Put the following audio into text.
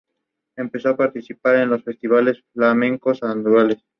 Se mudó a Cleveland, Ohio ese mismo año.